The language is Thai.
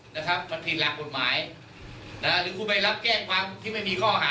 นะครับมันผิดหลักกฎหมายนะฮะหรือคุณไปรับแจ้งความที่ไม่มีข้อหา